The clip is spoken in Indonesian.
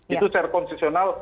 itu secara konsesional